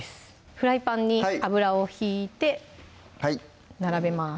フライパンに油を引いて並べます